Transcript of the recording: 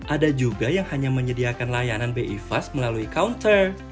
ada juga yang hanya menyediakan layanan bi fast melalui counter